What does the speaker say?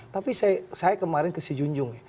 tapi saya kemarin kasih junjung ya